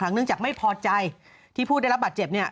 เนื่องจากไม่พอใจที่ผู้ได้รับบาดเจ็บเนี่ย